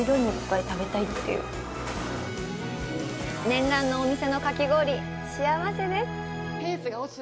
念願のお店のかき氷、幸せです。